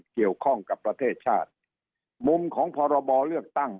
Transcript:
เกี่ยวข้องกับประเทศชาติมุมของพรบเลือกตั้ง